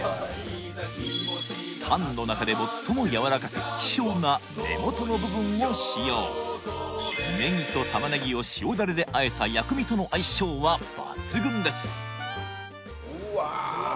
タンの中で最もやわらかく希少な根元の部分を使用ネギとタマネギを塩ダレであえた薬味との相性は抜群ですうわ